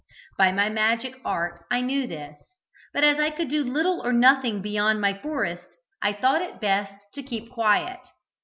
By my magic art I knew this, but as I could do little or nothing beyond my forest, I thought it best to keep quiet.